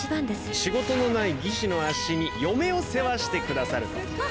仕事のない技師のあっしに嫁を世話してくださるとは。